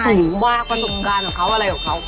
สูงมากประสบการณ์ของเขาอะไรของเขา